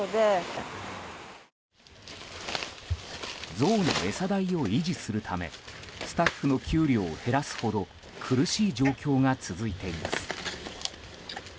ゾウの餌代を維持するためスタッフの給料を減らすほど苦しい状況が続いています。